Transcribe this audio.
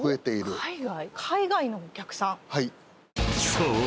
［そう！